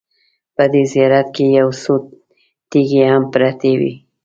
په دې زیارت کې یو څو تیږې هم پرتې وې.